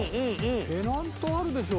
ペナントあるでしょ